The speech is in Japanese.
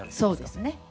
そうですね。